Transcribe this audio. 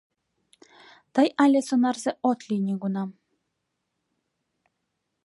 Тый але сонарзе от лий нигунам.